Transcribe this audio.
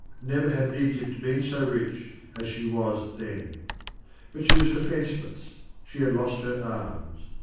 Never had Egypt been so rich as she was then. But she was defenceless; she had lost her arms.